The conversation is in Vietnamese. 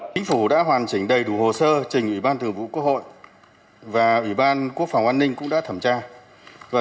chính phủ đã hoàn chỉnh đầy đủ hồ sơ trình ủy ban thường vụ quốc hội và ủy ban quốc phòng an ninh cũng đã thẩm tra